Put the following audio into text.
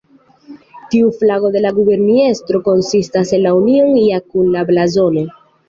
Tiu flago de la guberniestro konsistas el la Union Jack kun la blazono.